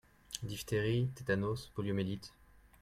diphtérie, tétanos, poliomyélite.